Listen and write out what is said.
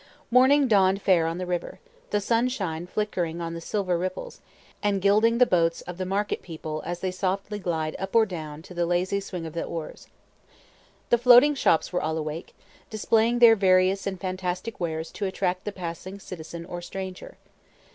Morning dawned fair on the river, the sunshine flickering on the silver ripples, and gilding the boats of the market people as they softly glide up or down to the lazy swing of the oars. The floating shops were all awake, displaying their various and fantastic wares to attract the passing citizen or stranger.